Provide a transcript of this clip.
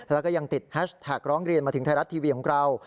แล้วก็ยังติดแฮชแท็กร้องเรียนมาถึงไทยรัฐทีวีของเรา